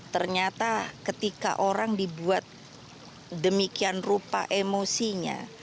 ternyata ketika orang dibuat demikian rupa emosinya